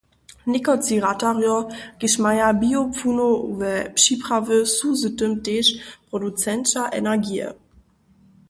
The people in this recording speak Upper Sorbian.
Někotři ratarjo, kiž maja biopłunowe připrawy, su z tym tež producenća energije.